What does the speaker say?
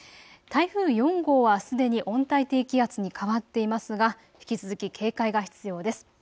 台風４号はすでに温帯低気圧に変わっていますが引き続き警戒が必要です。